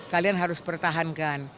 kalian harus pertahankan